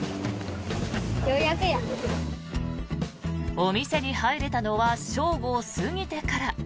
お店に入れたのは正午を過ぎてから。